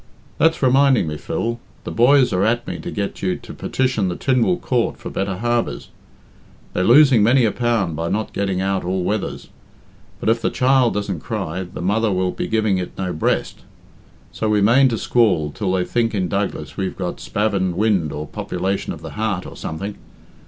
That's reminding me, Phil the boys are at me to get you to petition the Tynwald Court for better harbours. They're losing many a pound by not getting out all weathers. But if the child doesn't cry, the mother will be giving it no breast. So we mane to squall till they think in Douglas we've got spavined wind or population of the heart, or something.